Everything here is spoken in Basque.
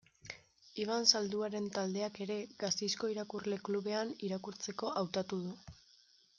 Iban Zalduaren taldeak ere, Gasteizko Irakurle Klubean, irakurtzeko hautatu du.